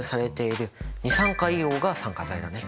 二酸化硫黄が酸化剤だね。